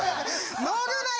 乗るなよ